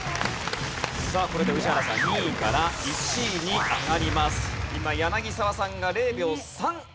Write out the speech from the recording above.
さあこれで宇治原さん２位から１位に上がります。